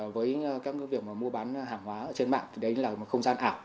với các việc mua bán hàng hóa trên mạng thì đấy là một không gian ảo